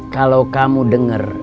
kalau kamu denger